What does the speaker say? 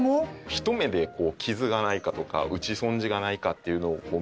一目で傷がないかとか打ち損じがないかっていうのを見ながら。